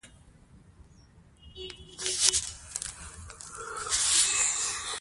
کوچيان دي، د سيند پر غاړه مو له سلامتې رمې سره ونيول.